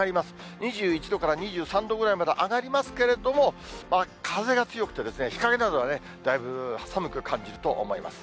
２１度から２３度ぐらいまで上がりますけれども、風が強くて、日陰などはだいぶ寒く感じると思います。